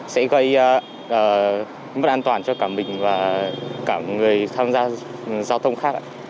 sẽ gây mất an toàn cho cả mình và cả người tham gia giao thông khác ạ